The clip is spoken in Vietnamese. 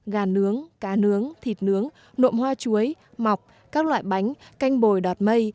gà nướng cá nướng thịt nướng nộm hoa chuối mọc các loại bánh canh bồi đọt mây